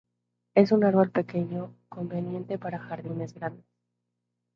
Es un árbol pequeño conveniente para jardines grandes.